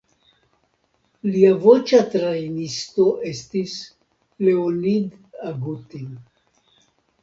Lia voĉa trejnisto estis Leonid Agutin.